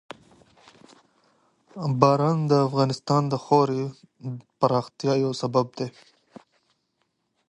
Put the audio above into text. باران د افغانستان د ښاري پراختیا یو سبب دی.